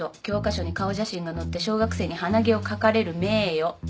教科書に顔写真が載って小学生に鼻毛を描かれる名誉。